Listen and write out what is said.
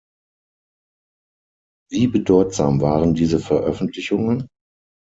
Wie bedeutsam waren diese Veröffentlichungen?